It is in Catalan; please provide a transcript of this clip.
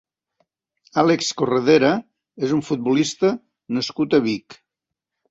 Álex Corredera és un futbolista nascut a Vic.